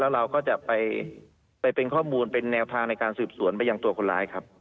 เราก็จะไปเป็นข้อมูลเป็นแนวทางในการสืบสวนไปยังตัวคนร้ายครับ